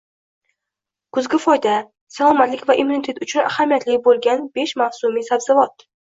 Kuzgi foyda: Salomatlik va immunitet uchun ahamiyatli bo‘lganbeshmavsumiy sabzavot